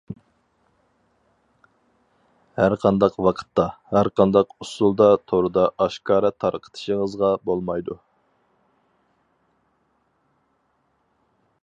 ھەرقانداق ۋاقىتتا، ھەرقانداق ئۇسسۇلدا توردا ئاشكارا تارقىتىشىڭىزغا بولمايدۇ.